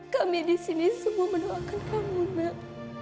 kami di sini semua mendoakan kamu mbak